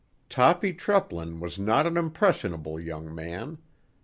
Toppy Treplin was not an impressionable young man.